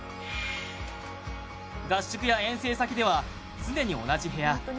合宿や遠征先では常に同じ部屋。